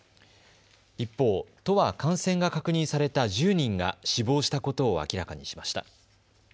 一方、都は感染が確認された１０人が死亡したことを明らかにしました。